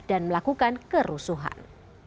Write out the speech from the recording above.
dan melakukan kerusuhan